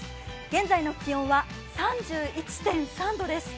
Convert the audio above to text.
現在の気温は３１．３度です。